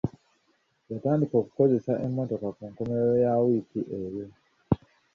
Yatandika okukozesa emmotoka ku nkomerero ya wiiki eyo.